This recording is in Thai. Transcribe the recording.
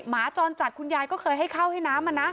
หมาจรจัดคุณยายก็เคยให้เข้าให้น้ำอ่ะนะ